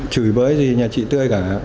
chửi với gì nhà chị tươi cả